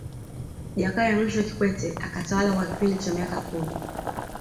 Jakaya Mrisho Kikwete akatawala kwa kipindi cha miaka kumi